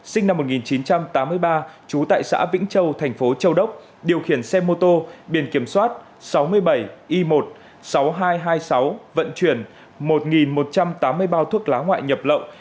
sinh năm một nghìn chín trăm tám mươi ba trú tại xã vĩnh châu thành phố châu đốc điều khiển xe mô tô biển kiểm soát sáu mươi bảy i một mươi sáu nghìn hai trăm hai mươi sáu vận chuyển một một trăm tám mươi bao thuốc lá ngoại nhập lậu